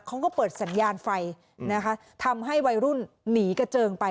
เขาก็เปิดสัญญาณไฟนะคะทำให้วัยรุ่นหนีกระเจิงไป